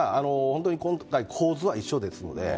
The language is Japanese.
今回、構図は一緒ですので。